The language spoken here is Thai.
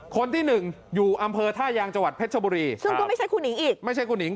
คนที่หนึ่งอยู่อำเภอท่ายางจังหวัดเพชรชบุรีซึ่งก็ไม่ใช่ครูหิงอีกไม่ใช่คุณหิง